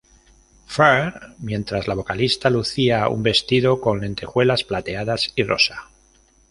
Fair mientras la vocalista lucía un vestido con lentejuelas plateadas y rosa.